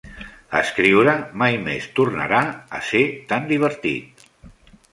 Escriure mai més tornarà a ser tan divertit.